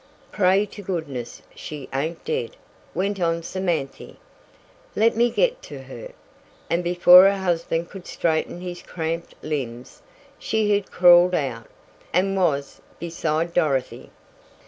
"Pray to goodness she ain't dead!" went on Samanthy. "Let me get to her!" and before her husband could straighten his cramped limbs, she had crawled out, and was beside Dorothy.